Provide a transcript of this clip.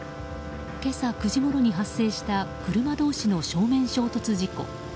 今朝９時ごろに発生した車同士の正面衝突事故。